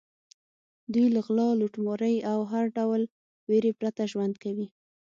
دوی له غلا، لوټمارۍ او هر ډول وېرې پرته ژوند کوي.